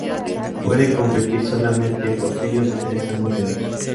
Pueden competir solamente potrillos de tres años de edad.